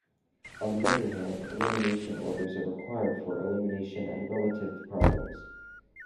On the other hand, elimination orders are required for elimination and relative problems.